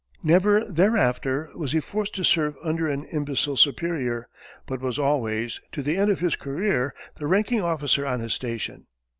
Never thereafter was he forced to serve under an imbecile superior, but was always, to the end of his career, the ranking officer on his station.